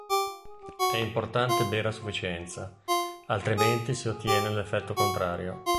È importante bere a sufficienza, altrimenti si ottiene l'effetto contrario.